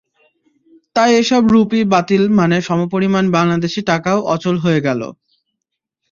তাই এসব রুপি বাতিল মানে সমপরিমাণ বাংলাদেশি টাকাও অচল হয়ে গেল।